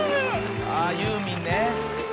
ああユーミンね。